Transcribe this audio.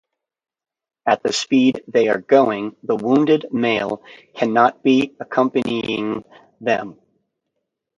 At the speed they are going the wounded male cannot be accompanying them.